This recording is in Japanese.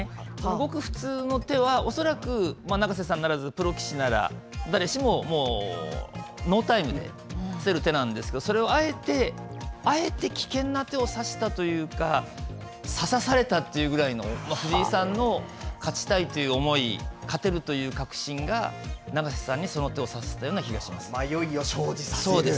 ごく普通の手はおそらく永瀬さんならずプロ棋士なら誰しもノータイムで出せる手なんですけどそれをあえて危険な手を指したというか指されたというぐらいの藤井さんの勝ちたいという思い勝てるという確信が永瀬さんにその手をさせたような迷いを生じさせたという。